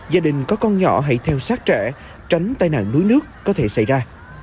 gia đình có con nhỏ hãy theo sát trẻ tránh tai nạn đuối nước có thể xảy ra